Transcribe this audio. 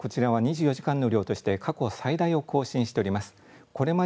こちらは２４時間の雨量として過去最大を更新しております。